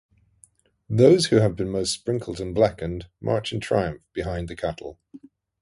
Those who have been most sprinkled and blackened march in triumph behind the cattle.